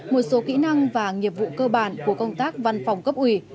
một số kỹ năng và nghiệp vụ cơ bản của công tác văn phòng cấp ủy